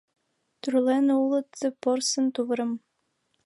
Тӱрлен улыт порсын тувырым.